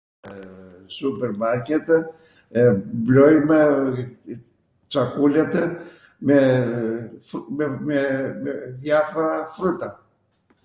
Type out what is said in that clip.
Super marketw blojmw sakuletw meee meeee fru.. me dhjafora fruta